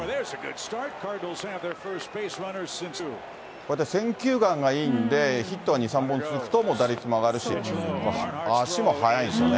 こうやって選球眼がいいんで、ヒットが２、３本続くともう打率も上がるし、足も速いんですよね。